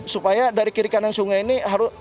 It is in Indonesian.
supaya dari kiri kanan sungai ini harus